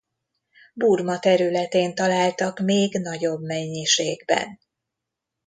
Burma területén találtak még nagyobb mennyiségben.